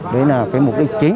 đấy là cái mục đích chính